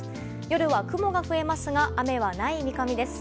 夜は雲が増えますが雨はない見込みです。